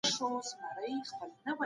خلګ د بدلون اړتیا ويني.